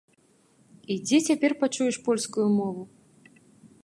І дзе цяпер пачуеш польскую мову?